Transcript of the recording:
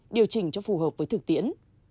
điều chỉnh cho phù hợp với thực tiễn